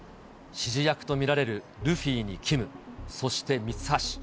指示役と見られるルフィにＫＩＭ、そしてミツハシ。